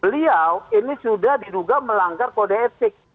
beliau ini sudah diduga melanggar kode etik